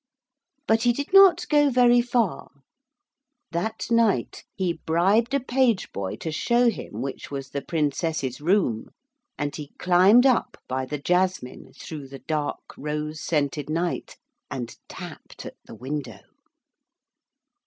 But he did not go very far. That night he bribed a page boy to show him which was the Princess's room, and he climbed up by the jasmine through the dark rose scented night, and tapped at the window.